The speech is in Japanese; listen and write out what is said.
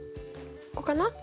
ここかな。